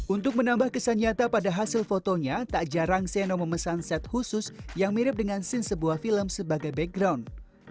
untuk menambah kesan nyata pada hasil fotonya tak jarang seno memesan set khusus yang mirip dengan scene sebuah film sebagai background